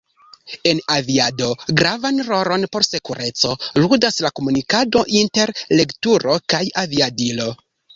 En aviado gravan rolon por sekureco ludas la komunikado inter regturo kaj aviadilo.